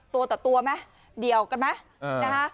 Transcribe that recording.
ตัวต่อตัวดีลกันมั้ย